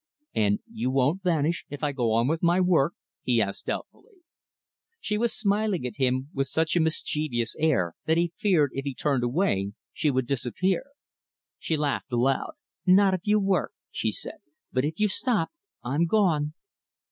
"And you won't vanish if I go on with my work?" he asked doubtfully. She was smiling at him with such a mischievous air, that he feared, if he turned away, she would disappear. She laughed aloud; "Not if you work," she said. "But if you stop I'm gone."